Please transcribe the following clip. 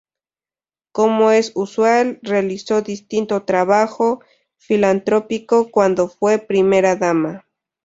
Como es usual, realizó distinto trabajo filantrópico cuando fue primera dama.